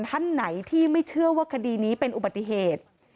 ท่านไหนที่ไม่เชื่อว่าคดีนี้เป็นอุบัติเหตุ